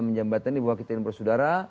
menjembatani bahwa kita ini bersudara